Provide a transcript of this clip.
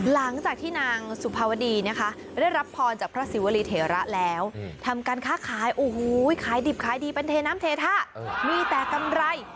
หลังจากที่นางสุภาวดีนะคะได้รับพรจากพระศิวรีเทระแล้วทำการค้าขายโอ้โหขายดิบขายดีเป็นเทน้ำเทท่ามีแต่กำไร